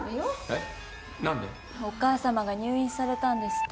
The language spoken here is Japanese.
えっ！？